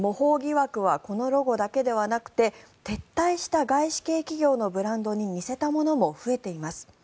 模倣疑惑はこのロゴだけではなくて撤退した外資系企業のブランドに似せたものも増えています。